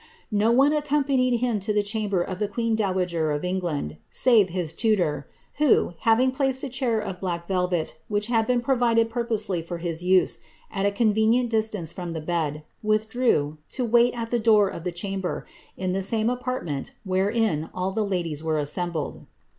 No one accompanied him to the chamber of the queen dowager of England, save his tutor, who, having placed a chair of black velvet, which had been provided purposely for his use, at a coove nient distance from the bed, withdrew, to wait at the door of the Hits ber. in the same apartment wherein all the ladies were assembled.